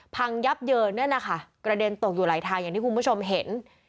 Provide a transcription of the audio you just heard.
พังยับเยินเนี่ยนะคะกระเด็นตกอยู่หลายทางอย่างที่คุณผู้ชมเห็น